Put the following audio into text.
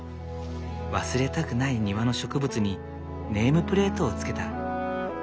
忘れたくない庭の植物にネームプレートをつけた。